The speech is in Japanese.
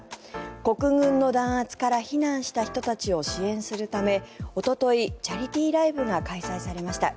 国軍の弾圧から避難した人たちを支援するためおととい、チャリティーライブが開催されました。